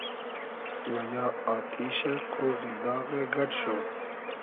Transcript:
و یا آتیشۂ ، قۉغی داغۂ گئۮ شو